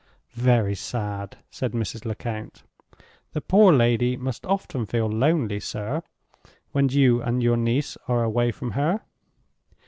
"Very sad," said Mrs. Lecount. "The poor lady must often feel lonely, sir, when you and your niece are away from her?"